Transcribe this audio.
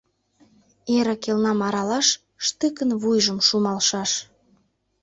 Эрык элнам аралаш Штыкын вуйжым шумалшаш!